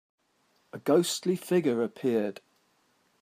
A ghostly figure appeared.